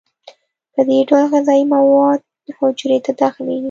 په دې ډول غذایي مواد حجرې ته داخلیږي.